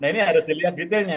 nah ini harus dilihat detailnya